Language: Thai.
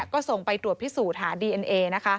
ก็ส่งไปตรวจพิสูจน์หาดีเอ็นเอนะคะ